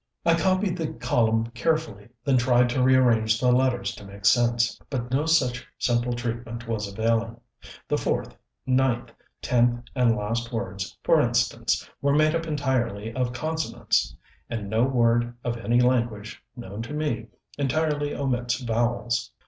I copied the column carefully, then tried to rearrange the letters to make sense. But no such simple treatment was availing. The fourth, ninth, tenth, and last words, for instance, were made up entirely of consonants, and no word of any language, known to me, entirely omits vowels.